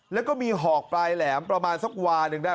แล้วก็มีหอกปลายแหลมประมาณสักวาหนึ่งได้